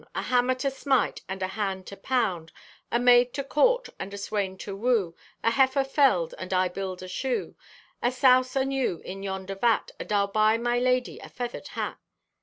A hammer to smite And a hand to pound! A maid to court, And a swain to woo, A heiffer felled And I build a shoe! A souse anew in yonder vat, And I'll buy my lady A feathered hat!